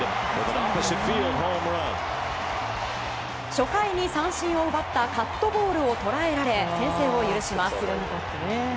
初回に三振を奪ったカットボールをとらえられ先制を許します。